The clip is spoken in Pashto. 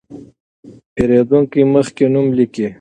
پېرېدونکي مخکې نوم لیکي.